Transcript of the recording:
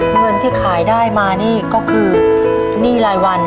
เงินที่ขายได้มานี่ก็คือหนี้รายวัน